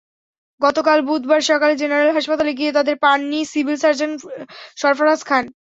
গতকাল বুধবার সকালে জেনারেল হাসপাতালে গিয়ে তাঁদের পাননি সিভিল সার্জন সরফরাজ খান।